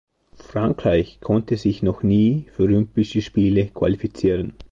Frankreich konnte sich noch nie für Olympische Spiele qualifizieren.